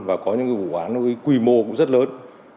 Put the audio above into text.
và có những vụ bán quy mô cũng rất lớn